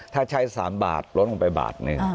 ถ้าใช้๓บาทลดลงไป๑บาท